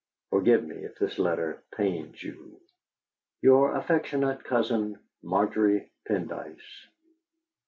Forgive me if this letter pains you. "Your affectionate cousin, "MARGERY PENDYCE."